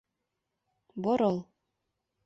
Борол.